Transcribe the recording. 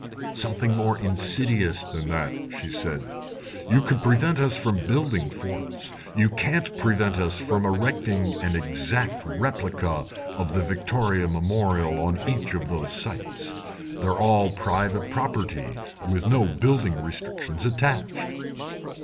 "'Something more insidious than that,' she said; 'you could prevent us from building forts; you can't prevent us from erecting an exact replica of the Victoria Memorial on each of those sites. They're all private property, with no building restrictions attached.